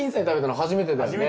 初めてだね。